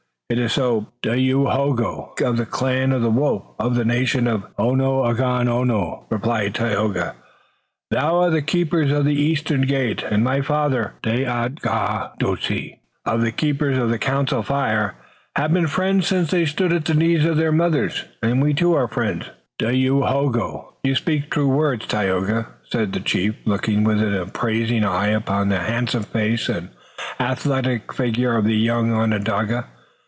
"It is so, Dayohogo of the clan of the Wolf, of the nation Ganeagaono (Mohawk)," replied Tayoga. "Thou of the Keepers of the Eastern Gate and my father, Daatgadose, of the Keepers of the Council Fire, have been friends since they stood at the knees of their mothers, and we too are friends, Dayohogo." "You speak true words, Tayoga," said the chief, looking with an appraising eye upon the handsome face and athletic figure of the young Onondaga.